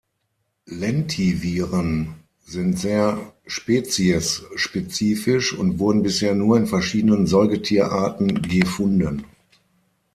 Lentiviren sind sehr Spezies-spezifisch und wurden bisher nur in verschiedenen Säugetierarten gefunden.